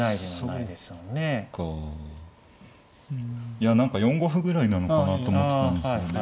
いや何か４五歩ぐらいなのかなと思ってたんですよね。